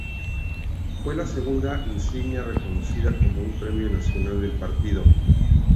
Fue la segunda insignia reconocida como un premio nacional del partido.